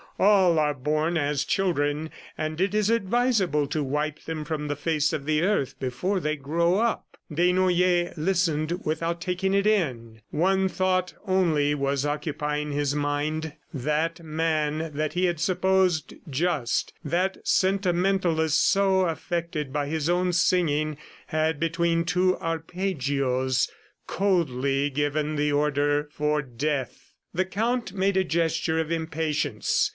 "All are born as children, and it is advisable to wipe them from the face of the earth before they grow up." Desnoyers listened without taking it in. One thought only was occupying his mind. ... That man that he had supposed just, that sentimentalist so affected by his own singing, had, between two arpeggios, coldly given the order for death! ... The Count made a gesture of impatience.